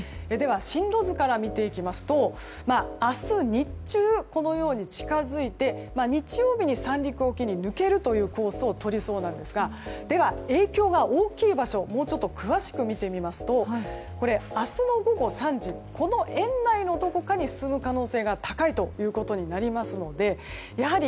進路図から見ていきますと明日日中、このように近づいて日曜日に三陸沖に抜けるというコースをとりそうなんですがでは、影響が大きい場所をもうちょっと詳しく見てみますと明日の午後３時この円内のどこかに進む可能性が高いということになりますのでやはり